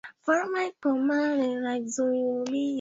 Wamekushtaki ili uhukumiwe